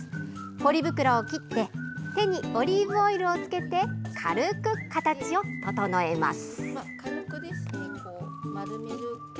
ポリ袋を切って手にオリーブオイルをつけて軽く形を整えます。